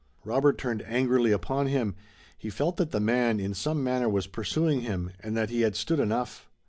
Robert turned angrily upon him. He felt that the man, in some manner, was pursuing him, and that he had stood enough.